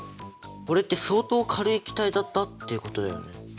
これって相当軽い気体だったっていうことだよね。